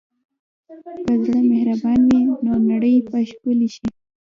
که زړه مهربان وي، نو نړۍ به ښکلې شي.